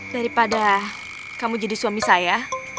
daripada kamu jadi suami saya